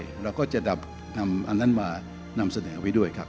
เราก็จะนำอันนั้นมานำเสนอไว้ด้วยครับ